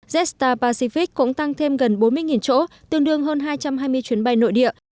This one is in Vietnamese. jetstar pacific cũng tăng thêm gần bốn mươi chỗ tương đương hơn hai trăm hai mươi chuyến bay nội địa